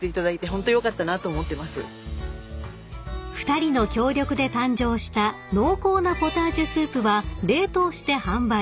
［２人の協力で誕生した濃厚なポタージュスープは冷凍して販売］